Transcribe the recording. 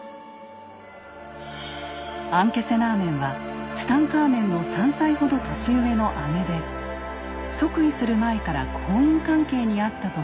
アンケセナーメンはツタンカーメンの３歳ほど年上の姉で即位する前から婚姻関係にあったとされます。